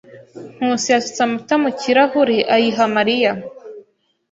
Nkusi yasutse amata mu kirahure ayiha Mariya.